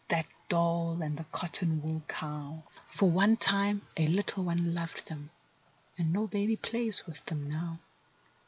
That doll the cotton wool cow. For one time a little one loved them—auu no baby plays with them now.